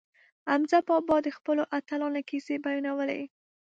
حمزه بابا د خپلو اتلانو کیسې بیانولې.